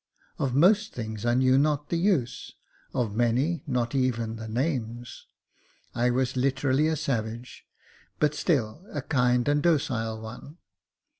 Of most things I knew not the use, of many not even the names. I was literally a savage, but still a kind and docile one.